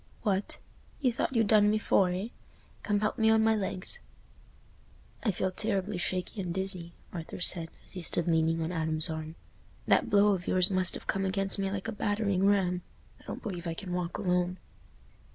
"What! You thought you'd done for me, eh? Come help me on my legs." "I feel terribly shaky and dizzy," Arthur said, as he stood leaning on Adam's arm; "that blow of yours must have come against me like a battering ram. I don't believe I can walk alone."